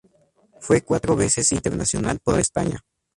Fue cuatro veces internacional por España.